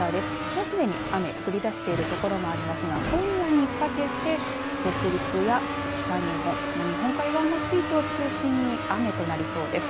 もうすでに雨、降りだしている所もありますが、今夜にかけて北陸や北日本日本海側の地域を中心に雨となりそうです。